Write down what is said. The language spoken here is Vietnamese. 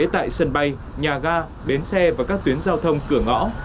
tại sân bay nhà ga bến xe và các tuyến giao thông cửa ngõ